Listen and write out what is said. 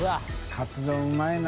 カツ丼うまいな。